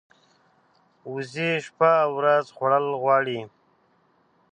وزې شپه او ورځ خوړل غواړي